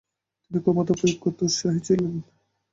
তিনি ক্ষমতা প্রয়োগ করতে উৎসাহী ছিলেন।